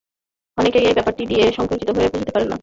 অনেকেই এই ব্যাকটেরিয়া দিয়ে সংক্রমিত হলেও বুঝতে পারেন না।